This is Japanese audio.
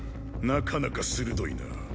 なかなか鋭いな。